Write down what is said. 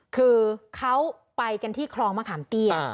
คือเขาไปกันที่คลองมะขามเตี้ย